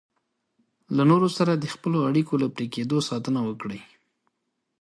له نورو سره د خپلو اړیکو له پرې کېدو ساتنه وکړئ.